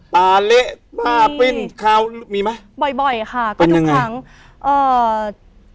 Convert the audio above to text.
ตาเละบ้าปิ้นคาวมีมั้ยบ่อยบ่อยค่ะเป็นยังไงเอ่อ